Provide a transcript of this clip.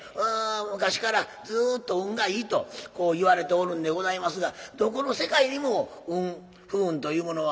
昔からずっと運がいいとこういわれておるんでございますがどこの世界にも運不運というものはあるもんでございまして。